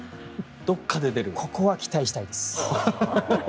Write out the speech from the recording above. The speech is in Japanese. ここは期待したいです。